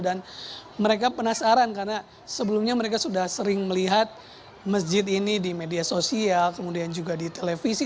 dan mereka penasaran karena sebelumnya mereka sudah sering melihat masjid ini di media sosial kemudian juga di televisi